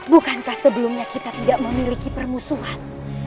bukankah sebelumnya kita tidak memiliki permusuhan